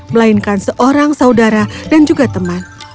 melainkan seorang saudara dan juga teman